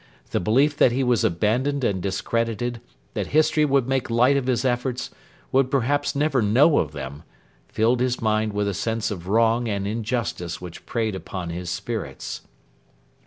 The belief that he was abandoned and discredited, that history would make light of his efforts, would perhaps never know of them, filled his mind with a sense of wrong and injustice which preyed upon his spirits.